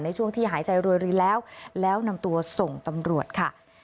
ช่วงที่หายใจรวยรินแล้วแล้วนำตัวส่งตำรวจค่ะ